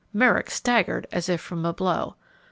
Merrick staggered as if from a blow.